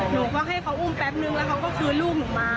หนูก็ให้เขาอุ้มแป๊บนึงแล้วเขาก็คืนลูกหนูมา